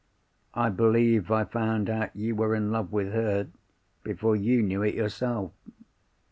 I believe I found out you were in love with her, before you knew it yourself.